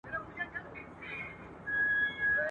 نه مي یاران، نه یارانه سته زه به چیري ځمه.